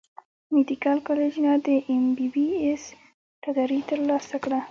ميديکل کالج نۀ د ايم بي بي ايس ډګري تر لاسه کړه